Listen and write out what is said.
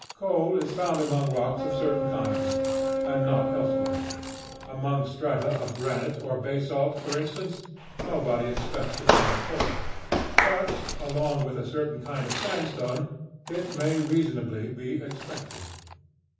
Coal is found among rocks of certain kinds, and not elsewhere. Among strata of granite or basalt for instance, nobody expects to find coal. But along with a certain kind of sandstone it may reasonably be expected.